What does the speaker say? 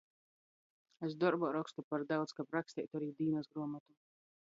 Es dorbā rokstu par daudz, kab raksteitu ari dīnysgruomotu.